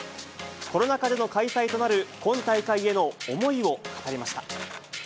コロナ禍での開催となる今大会への思いを語りました。